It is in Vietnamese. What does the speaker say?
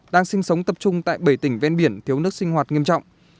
đang sinh sống tập trung tại bảy tỉnh ven biển thiếu nước sinh hoạt nghiêm trọng